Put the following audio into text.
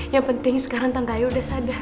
yang penting sekarang tante ayu udah sadar